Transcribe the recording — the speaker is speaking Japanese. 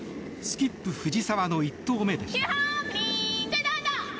スキップ藤澤の１投目でした。